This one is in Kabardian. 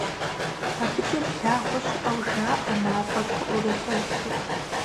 АбыкӀэ благъуэ щыӀэу жаӀэ, мафӀэр къыӀурылъэлъу.